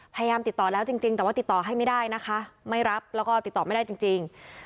พยายามติดต่อแล้วจริงแต่ว่าติดต่อให้ไม่ได้นะคะไม่รับแล้วก็ติดต่อไม่ได้จริง